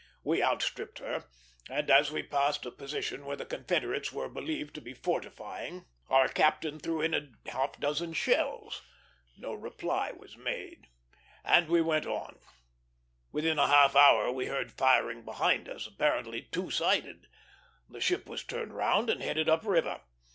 We outstripped her; and as we passed a position where the Confederates were believed to be fortifying, our captain threw in a half dozen shells. No reply was made, and we went on. Within a half hour we heard firing behind us, apparently two sided. The ship was turned round and headed up river.